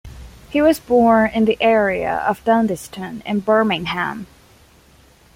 He was born in the area of Duddeston in Birmingham.